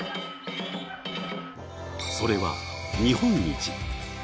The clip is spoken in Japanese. それは、日本一。